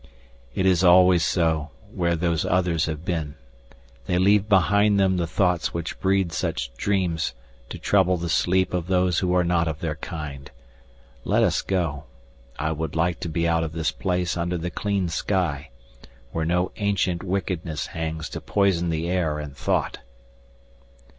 "It is always so where Those Others have been. They leave behind them the thoughts which breed such dreams to trouble the sleep of those who are not of their kind. Let us go. I would like to be out of this place under the clean sky, where no ancient wickedness hangs to poison the air and thought."